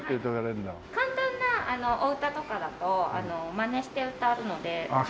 簡単なお歌とかだとまねして歌うので。